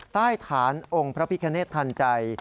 ใต้ฐานองค์พระพิคเนธทันใจ